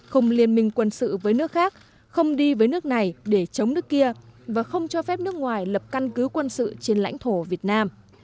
không liên minh quân sự với nước khác không đi với nước này để chống nước kia và không cho phép nước ngoài lập căn cứ quân sự trên lãnh thổ việt nam